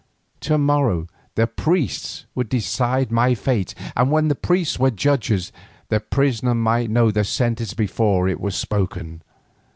To morrow the priests would decide my fate, and when the priests were judges, the prisoner might know the sentence before it was spoken.